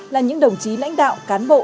là những đồng chí lãnh đạo cán bộ